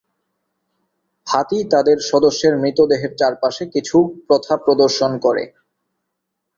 হাতি তাদের সদস্যের মৃতদেহের চারপাশে কিছু প্রথা প্রদর্শন করে।